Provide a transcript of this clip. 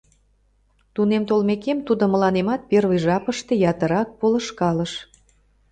Тунем толмекем, тудо мыланемат первый жапыште ятырак полышкалыш.